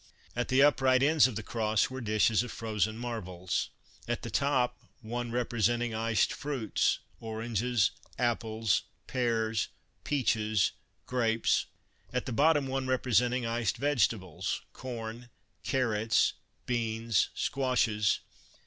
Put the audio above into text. At the upright ends of the cross were dishes of frozen marvels, at the top one representing iced fruits — oranges, apples, pears, peaches, grapes ; at the bottom one representing iced vegetables — corn, carrots, beans, squashes.